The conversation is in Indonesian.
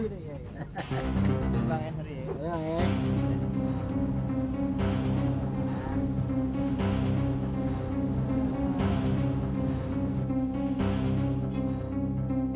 dirokok dulu yang paling mahal bilang